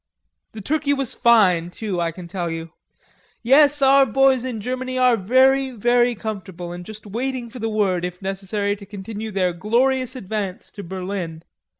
"The turkey was fine, too, I can tell you.... Yes, our boys in Germany are very, very comfortable, and just waiting for the word, if necessary, to continue their glorious advance to Berlin.